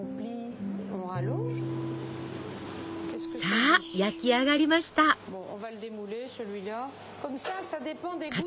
さあ焼き上がりました。